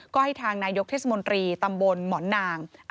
ก็ให้ทางนายกเทศมนตรีตำบลหม่อนานอำเภอพนัทนิคม